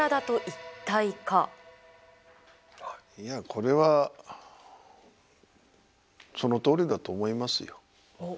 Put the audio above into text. いやこれはそのとおりだと思いますよ。